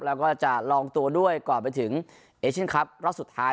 แล้วก็จะลองตัวด้วยก่อนไปถึงเอเชียนคลับรอบสุดท้าย